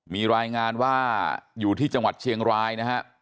มีรายงานว่าอยู่ที่จังหวัดเชียงรายนะฮะ